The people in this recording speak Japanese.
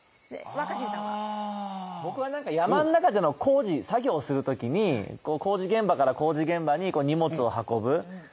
僕は山の中での工事、作業をするときに工事現場から工事現場に荷物を運ぶ